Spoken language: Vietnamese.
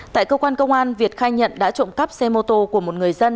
tại cơ quan công an việt khai nhận đã trộm cắp xe mô tô của một người dân